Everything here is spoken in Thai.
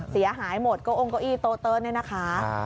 เสียหายหมดกระโก้งกระอี้โต๊ะเติ้ลด้วยนะคะ